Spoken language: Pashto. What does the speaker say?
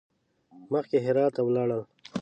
مخکې هرات ته ولاړل.